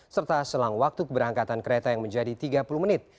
serta selang waktu keberangkatan kereta yang menjadi tiga puluh menit